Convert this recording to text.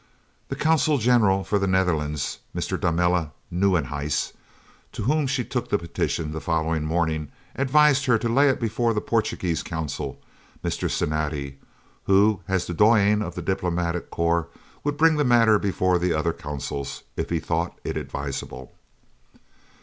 The Consul General for the Netherlands, Mr. Domela Nieuwenhuis, to whom she took the petition the following morning, advised her to lay it before the Portuguese Consul, Mr. Cinatti, who, as the doyen of the Diplomatic Corps, would bring the matter before the other Consuls, if he thought it advisable.